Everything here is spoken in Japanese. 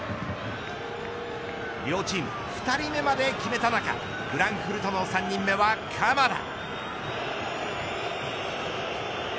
両チーム２人目まで決めた中フランクフルトの３人目は鎌田。